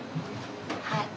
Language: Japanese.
はい。